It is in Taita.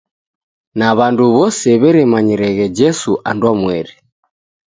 Na w'andu w'ose w'eremanyireghe Jesu andwamweri.